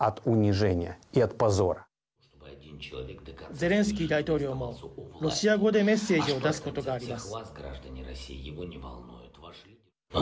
ゼレンスキー大統領もロシア語でメッセージを出すことがあります。